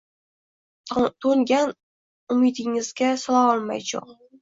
To‘ngan umidingga solaolmay cho‘g‘